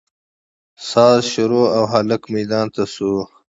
ساز شروع او هلک ميدان ته سو.